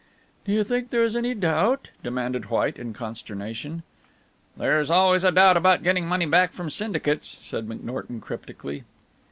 "Do you think there is any doubt?" demanded White, in consternation. "There is always a doubt about getting money back from syndicates," said McNorton cryptically.